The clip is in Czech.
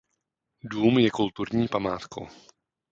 Dům je kulturní památkou.